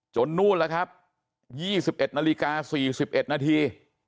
นู่นแล้วครับ๒๑นาฬิกา๔๑นาที